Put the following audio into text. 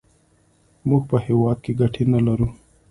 موږ په هېواد کې ګټې نه لرو.